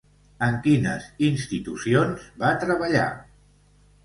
En quines institucions va treballar?